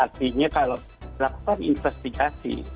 artinya kalau lakukan investigasi